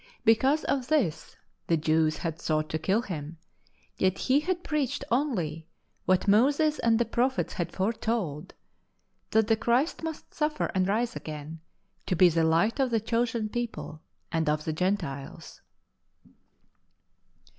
Because of this the Jews had sought to kill him, yet he had preached only what Moses and tlie Prophets had foretold— that the io8 LIFE OF ST. PAUL Christ must suffer and rise again, to be the Light of the chosen People and of the Gentiles.